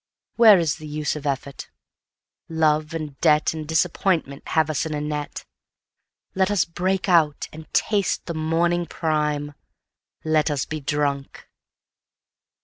Where is the use of effort? Love and debt And disappointment have us in a net. Let us break out, and taste the morning prime ... Let us be drunk.